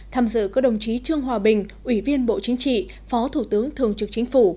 tham dự có đồng chí trương hòa bình ủy viên bộ chính trị phó thủ tướng thường trực chính phủ